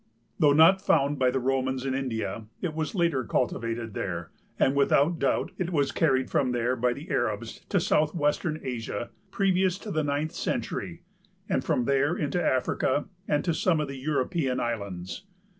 Though not found by the Romans in India it was later cultivated there and without doubt it was carried from there by the Arabs to southwestern Asia previous to the ninth century and from there into Africa and to some of the European islands.